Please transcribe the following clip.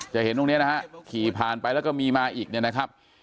เห็นตรงนี้นะฮะขี่ผ่านไปแล้วก็มีมาอีกเนี่ยนะครับ